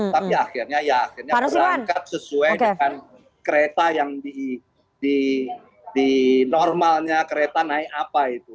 tapi akhirnya ya akhirnya berangkat sesuai dengan kereta yang di normalnya kereta naik apa itu